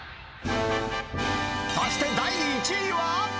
そして第１位は。